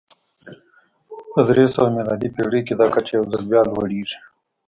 په درې سوه میلادي پېړۍ کې دا کچه یو ځل بیا لوړېږي